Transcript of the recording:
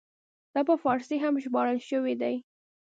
دا په فارسي هم ژباړل شوی دی.